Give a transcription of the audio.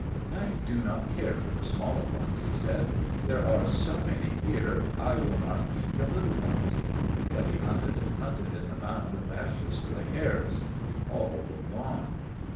"I do not care for the smaller ones," he said. "There are so many here, I will not eat the little ones." But he hunted and hunted in the mound of ashes for the hares. All were gone.